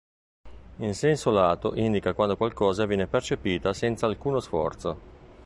In senso lato indica quando qualcosa viene percepita senza alcuno sforzo.